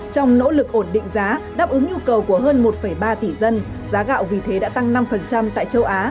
trong nỗ lực ổn định giá đáp ứng nhu cầu của hơn một ba tỷ dân giá gạo vì thế đã tăng năm tại châu á